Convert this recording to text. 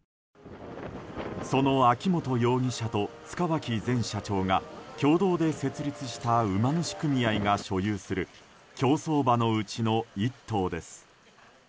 その秋本容疑者と塚脇前社長が共同で設立した馬主組合が所有する競走馬のうちの１頭です。